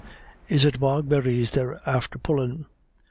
Is it bogberries they're after pullin'?"